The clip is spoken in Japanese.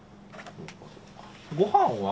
ごはんは？